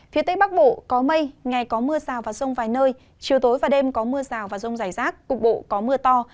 phía tây bắc bộ có mây ngày có mưa rào và rông vài nơi chiều tối và đêm có mưa rào và rông rải rác cục bộ có mưa to